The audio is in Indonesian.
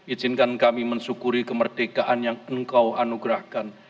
izinkan kami mensyukuri kemerdekaan yang engkau anugerahkan